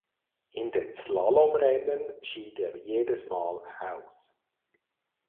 In den Slalomrennen schied er jedes Mal aus.